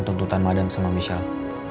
tuntutan madam sama michelle